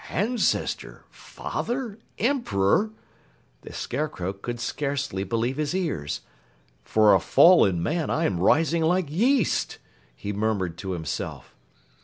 "Ancestor! Father! Emperor!" The Scarecrow could scarcely believe his ears. "For a fallen man, I am rising like yeast!" he murmured to himself.